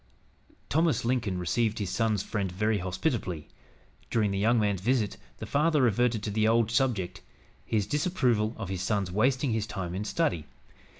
Thomas Lincoln received his son's friend very hospitably. During the young man's visit, the father reverted to the old subject, his disapproval of his son's wasting his time in study.